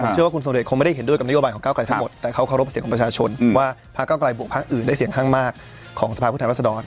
เชื่อว่าคุณทรงเดชนคงไม่ได้เห็นด้วยกับนโยบายของก้าวไกลทั้งหมดแต่เขาเคารพเสียงของประชาชนว่าพักเก้าไกลบวกภาคอื่นได้เสียงข้างมากของสภาพผู้แทนรัศดร